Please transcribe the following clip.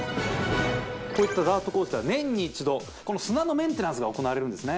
こういったダートコースでは年に一度砂のメンテナンスが行われるんですね